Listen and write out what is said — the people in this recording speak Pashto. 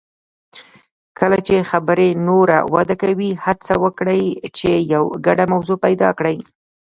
کله چې خبرې نوره وده کوي، هڅه وکړئ چې یو ګډه موضوع پیدا کړئ.